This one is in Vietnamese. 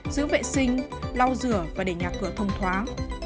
giữ vệ sinh lau rửa và để nhà cửa thông thoáng